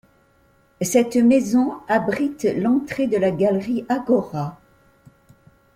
Cette maison abrite l'entrée de la Galerie Agora.